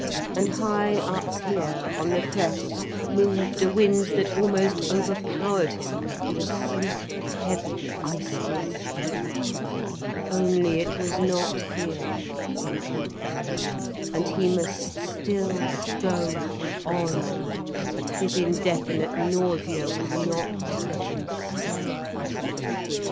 And high up here, on the crest, moved a wind that almost overpowered him with a sleep heavy iciness. Only it was not here, the end, and he must still go on. His indefinite nausea would not let him stay.